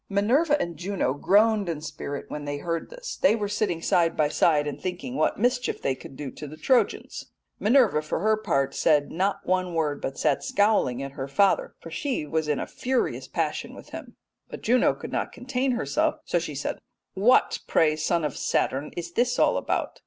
"Minerva and Juno groaned in spirit when they heard this. They were sitting side by side, and thinking what mischief they could do to the Trojans. Minerva for her part said not one word, but sat scowling at her father, for she was in a furious passion with him, but Juno could not contain herself, so she said "'What, pray, son of Saturn, is all this about?